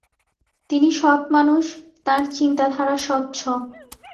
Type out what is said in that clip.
তিনি "সৎ মানুষ, তাঁর চিন্তাধারা স্বচ্ছ"।